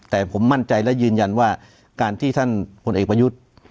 แต่ผมมั่นใจและยืนยันว่าการที่ท่านพลเอกประยุทธ์